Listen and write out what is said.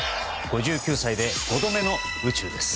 ５９歳で５度目の宇宙です。